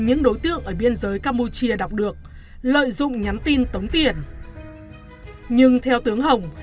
những đối tượng ở biên giới campuchia đọc được lợi dụng nhắn tin tống tiền nhưng theo tướng hồng